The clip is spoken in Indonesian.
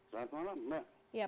selamat malam mbak